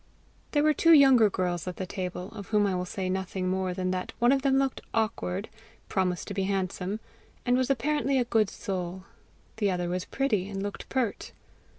There were two younger girls at the table, of whom I will say nothing more than that one of them looked awkward, promised to be handsome, and was apparently a good soul; the other was pretty, and looked pert.